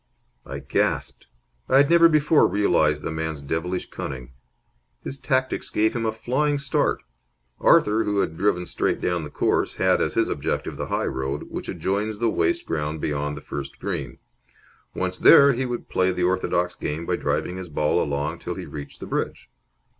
I gasped. I had never before realized the man's devilish cunning. His tactics gave him a flying start. Arthur, who had driven straight down the course, had as his objective the high road, which adjoins the waste ground beyond the first green. Once there, he would play the orthodox game by driving his ball along till he reached the bridge.